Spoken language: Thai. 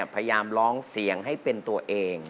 พยายามร้องเสียงให้เป็นตัวเอง